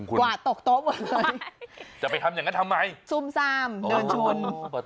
กวาดตกโต๊ะหมดเลยจะไปทำอย่างนั้นทำไมซุ่มซ่ามเดินชน